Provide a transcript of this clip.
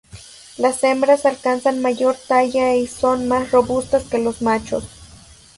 Las hembras alcanzan mayor talla y son más robustas que los machos.